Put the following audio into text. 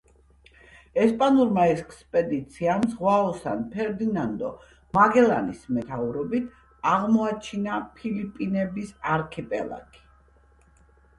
ესპანურმა ექსპედიციამ, ზღვაოსან ფერნანდო მაგელანის მეთაურობით, აღმოაჩინა ფილიპინების არქიპელაგი.